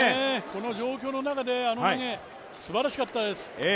この状況の中であの投げ、すばらしかったです。